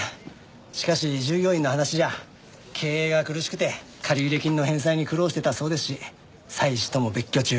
しかし従業員の話じゃ経営が苦しくて借入金の返済に苦労してたそうですし妻子とも別居中。